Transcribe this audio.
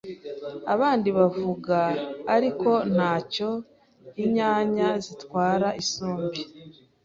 abandi bavuga ariko ko ntacyo inyanya zitwara isombe